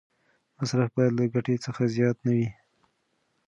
مصرف باید له ګټې څخه زیات نه وي.